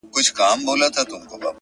له خپل ځان سره ږغيږي!!